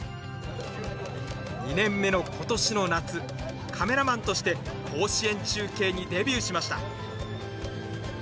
２年目の今年の夏カメラマンとして甲子園中継にデビューしました。